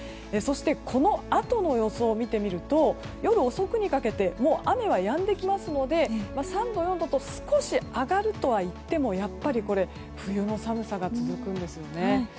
そしてこのあとの予想を見てみると、夜遅くにかけてもう雨はやんできますので３度、４度と少し上がるとはいっても冬の寒さが続くんですよね。